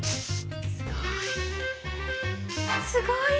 すごい。